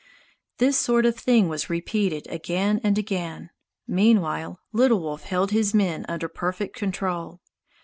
This sort of thing was repeated again and again. Meanwhile Little Wolf held his men under perfect control.